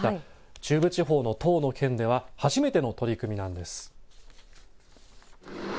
中部地方の１０の県では初めての取り組みなんです。